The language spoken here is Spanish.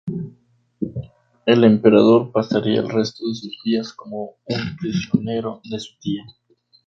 El emperador pasaría el resto de sus días como un prisionero de su tía.